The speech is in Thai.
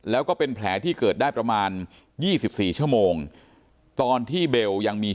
แล้วก็เป็นแผลที่เกิดได้ประมาณ๒๔ชั่วโมงตอนที่เบลยังมี